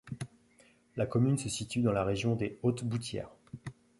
La commune se situe dans la région des Hautes-Boutières.